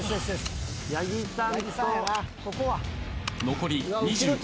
残り２５秒。